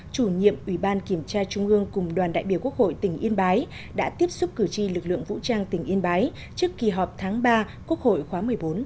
chủ nhiệm ủy ban kiểm tra trung ương cùng đoàn đại biểu quốc hội tỉnh yên bái đã tiếp xúc cử tri lực lượng vũ trang tỉnh yên bái trước kỳ họp tháng ba quốc hội khóa một mươi bốn